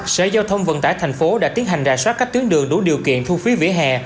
sở giao thông vận tải tp hcm đã tiến hành rà sát các tuyến đường đủ điều kiện thu phí vỉa hè